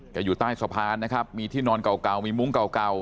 อยู่ใต้สะพานนะครับมีที่นอนเก่ามีมุ้งเก่า